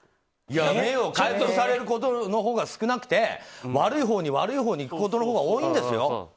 名誉回復されることのほうが少なくて悪いほうに、悪いほうにいくことのほうが多いんですよ。